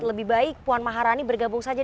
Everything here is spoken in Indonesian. lebih baik puan maharani bergabung saja